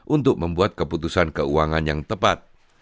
untuk membuat keputusan keuangan yang tepat